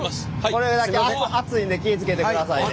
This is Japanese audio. これだけ熱いんで気ぃ付けてくださいね。